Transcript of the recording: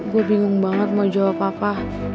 gue bingung banget mau jawab apa apa